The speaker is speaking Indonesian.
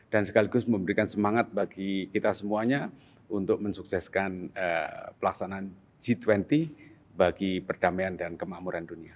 dan sekaligus memberikan semangat bagi kita semuanya untuk mensukseskan pelaksanaan g dua puluh bagi perdamaian dan kemampuan dunia